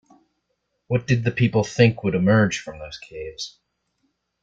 What did the people think would emerge from those caves?